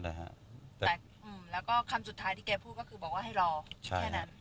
แล้วก็คำสุดท้ายที่แกพูดก็คือบอกว่าให้รอแค่นั้น